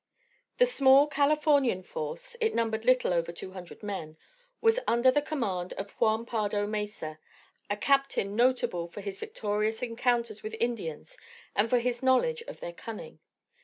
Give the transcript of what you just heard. X The small Californian force it numbered little over two hundred men was under the command of Juan Pardo Mesa, a captain notable for his victorious encounters with Indians and for his knowledge of their cunning.